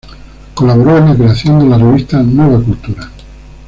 Colaboró en la creación de la revista Nueva Cultura.